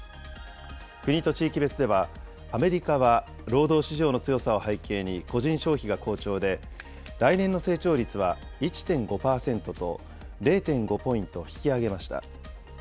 国と地域別では、アメリカは労働市場の強さを背景に個人消費が好調で、来年の成長率は１．５％と、０．５ポイント引き上げました。